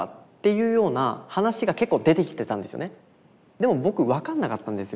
でも僕分かんなかったんですよ。